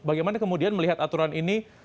bagaimana kemudian melihat aturan ini